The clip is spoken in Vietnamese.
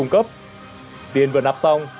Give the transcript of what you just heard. cùng cấp tiền vừa nặp xong